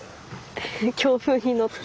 強風に乗って。